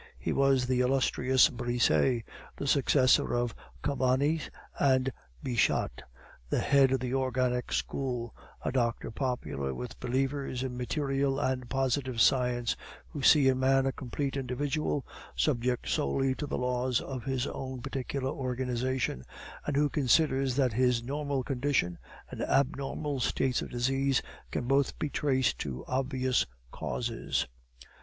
He was the illustrious Brisset, the successor of Cabanis and Bichat, head of the Organic School, a doctor popular with believers in material and positive science, who see in man a complete individual, subject solely to the laws of his own particular organization; and who consider that his normal condition and abnormal states of disease can both be traced to obvious causes.